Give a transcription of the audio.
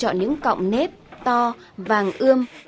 chọn những cọng nếp to vàng ươm